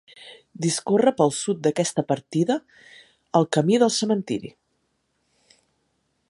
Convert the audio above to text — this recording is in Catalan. Discorre pel sud d'aquesta partida el Camí del Cementiri.